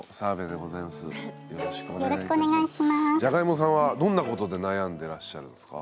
じゃがいもさんはどんなことで悩んでらっしゃるんですか？